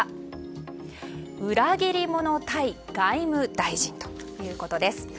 裏切り者ｖｓ外務大臣ということです。